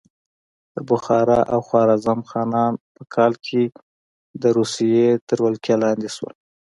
د بخارا او خوارزم خانان په کال کې د روسیې تر ولکې لاندې شول.